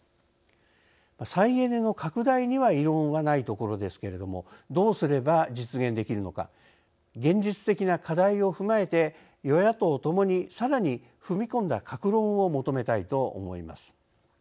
再エネの拡大には異論は、ないところですけれどもどうすれば実現できるのか現実的な課題を踏まえて与野党ともにさらに踏み込んだ各論を求めたいと思います。